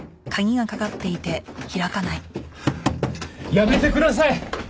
やめてください！